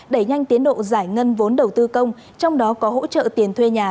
đẩy nhanh tiến độ giải ngân vốn đầu tư công trong đó có hỗ trợ tiền thuê nhà